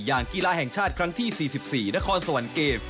กีฬาแห่งชาติครั้งที่๔๔นครสวรรค์เกม